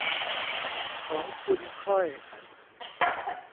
ของคุณค่อย